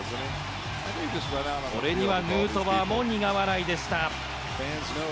これにはヌートバーも苦笑いでした。